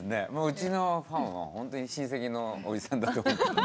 うちのファンはほんとに親戚のおじさんだと思って。